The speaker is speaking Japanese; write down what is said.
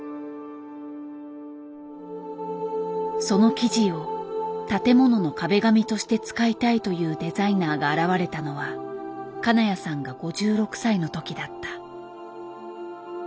その生地を建物の壁紙として使いたいというデザイナーが現れたのは金谷さんが５６歳の時だった。